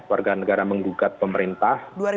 warga negara menggugat pemerintah